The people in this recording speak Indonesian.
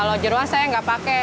kalau jeruang saya enggak pakai